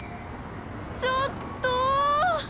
ちょっと！